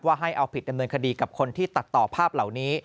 ให้เอาผิดดำเนินคดีกับคนที่ตัดต่อภาพเหล่านี้